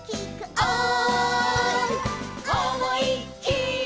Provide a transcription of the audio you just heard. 「おい！」